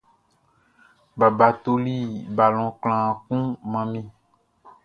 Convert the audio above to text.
Baba toli balɔn klanhan kun man mi.